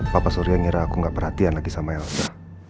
papa surya ngira aku nggak perhatian lagi sama elsa